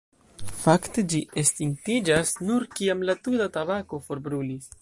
Fakte, ĝi estingiĝas nur kiam la tuta tabako jam forbrulis.